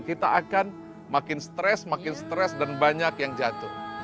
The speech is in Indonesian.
kita akan makin stres makin stres dan banyak yang jatuh